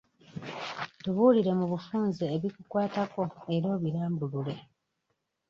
Tubuulire mu bufunze ebikukwatako era obirambulule.